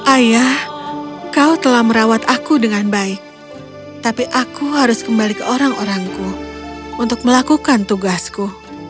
ayah kau telah merawat aku dengan baik tapi aku harus kembali ke orang orangku untuk melakukan tugasku